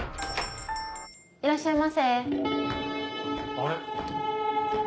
いらっしゃいませあれ？